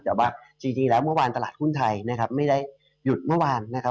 แต่ว่าจริงแล้วเมื่อวานตลาดหุ้นไทยนะครับไม่ได้หยุดเมื่อวานนะครับ